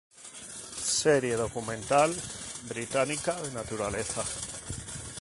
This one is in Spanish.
Serie documental británica de naturaleza.